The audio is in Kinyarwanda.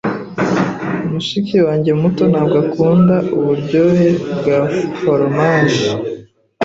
Mushiki wanjye muto ntabwo akunda uburyohe bwa foromaje.